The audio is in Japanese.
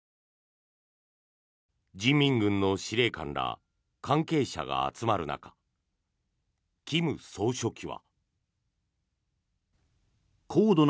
人民軍の司令官ら関係者が集まる中金総書記は。